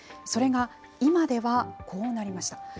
それが今ではこうなりました。